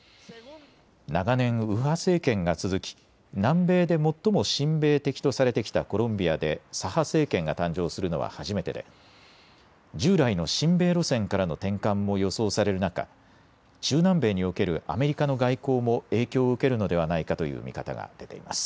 長年、右派政権が続き南米で最も親米的とされてきたコロンビアで左派政権が誕生するのは初めてで従来の親米路線からの転換も予想される中、中南米におけるアメリカの外交も影響を受けるのではないかという見方が出ています。